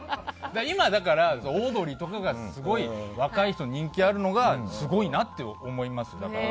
今、オードリーとかがすごい若い人に人気があるのがすごいなって思います。